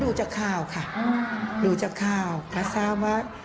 รู้จักข้าวค่ะรู้จักข้าวภาษาวะ